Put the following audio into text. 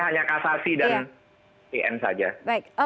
hanya kasasi dan pn saja